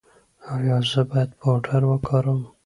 ایا زه باید پوډر وکاروم؟